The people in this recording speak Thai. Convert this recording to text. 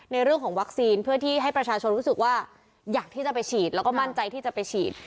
เรื่องของวัคซีนเพื่อที่ให้ประชาชนรู้สึกว่าอยากที่จะไปฉีดแล้วก็มั่นใจที่จะไปฉีด